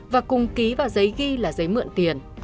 và cùng ký vào giấy ghi là giấy mượn tiền